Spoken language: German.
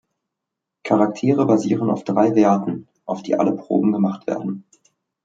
Charaktere basieren auf drei Werten, auf die alle Proben gemacht werden.